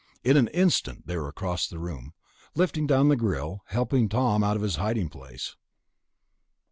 In an instant they were across the room, lifting down the grill, helping Tom out of his hiding place.